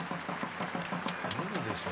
無理でしょ。